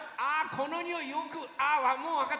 このにおいよくあもうわかった！